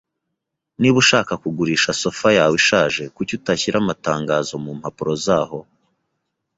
Niba ushaka kugurisha sofa yawe ishaje, kuki utashyira amatangazo mumpapuro zaho?